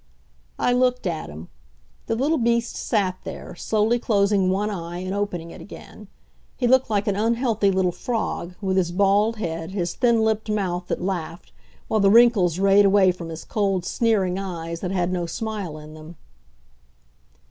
I looked at him. The little beast sat there, slowly closing one eye and opening it again. He looked like an unhealthy little frog, with his bald head, his thin lipped mouth that laughed, while the wrinkles rayed away from his cold, sneering eyes that had no smile in them.